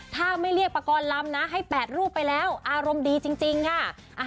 ถ้าไม่เรียกปากรลำนะให้๘รูปไปแล้วอารมณ์ดีจริงค่ะ